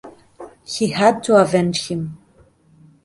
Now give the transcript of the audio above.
He had to avenge him.